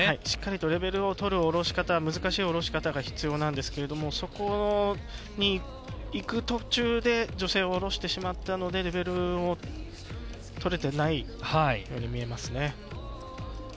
しっかりとレベルを取る降ろし方難しい降ろし方が必要なんですけどそこに行く途中で女性を降ろしてしまったのでレベルを取れていないように見えますね。